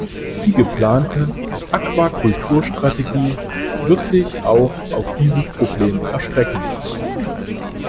Die geplante Aquakulturstrategie wird sich auch auf dieses Problem erstrecken.